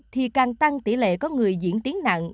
thì càng tăng tỷ lệ có người diễn tiến nặng